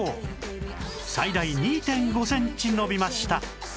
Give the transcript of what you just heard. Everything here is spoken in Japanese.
最大 ２．５ センチ伸びました